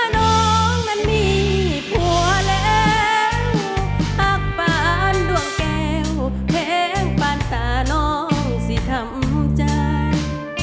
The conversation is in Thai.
น้องนั้นมีผัวแล้วพักปานดวงแก้วเพลงปานตาน้องสิทำใจ